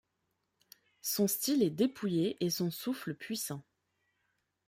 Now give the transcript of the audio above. Son style est dépouillé et son souffle puissant.